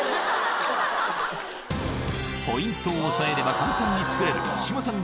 ポイントを抑えれば簡単に作れる志麻さん